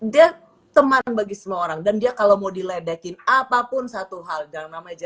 dia teman bagi semua orang dan dia kalau mau diledekin apapun satu hal dalam namanya